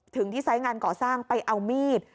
ถึงที่ไซส์งานก่อสร้างไปเอามีด